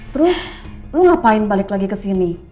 terus lo ngapain balik lagi ke sini